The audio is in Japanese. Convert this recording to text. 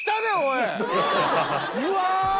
うわ！